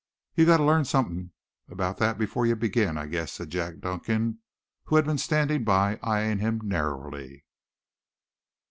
"Yah gotta learn somepin about that before yuh begin, I guess," said Jack Duncan, who had been standing by eyeing him narrowly.